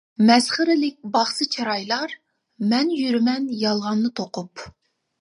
مەسخىرىلىك باقسا چىرايلار، مەن يۈرىمەن يالغاننى توقۇپ.